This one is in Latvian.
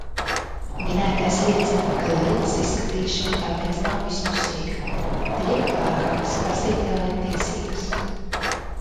Minētais liecina, ka lietas izskatīšana tāpēc nav vispusīga un tiek pārkāptas prasītāja tiesības.